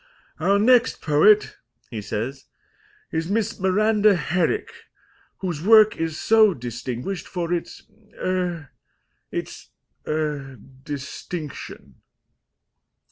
"Our next poet," he says, "is Miss Miranda Herrick, whose work is so distinguished for its er its er distinction."